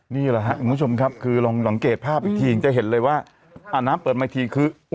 นี่แหละครับคุณผู้ชมครับคือลองสังเกตภาพอีกทีจะเห็นเลยว่าอ่าน้ำเปิดมาอีกทีคือ